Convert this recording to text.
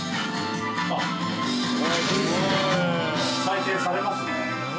あっ採点されますね。